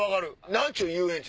何ちゅう遊園地？